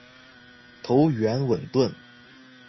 头圆吻钝。